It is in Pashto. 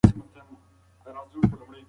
څراغ به د تل لپاره د ده د فکر ملګری وي.